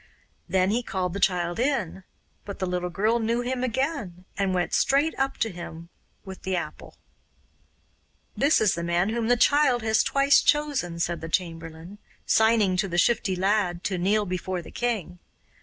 Then he called the child in, but the little girl knew him again, and went straight up to him with the apple. 'This is the man whom the child has twice chosen,' said the chamberlain, signing to the Shifty Lad to kneel before the king.